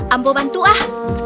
ambo bantu ah